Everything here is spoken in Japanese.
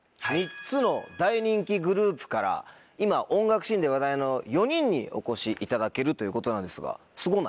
３つの大人気グループから今音楽シーンで話題の４人にお越しいただけるということなのですがすごない？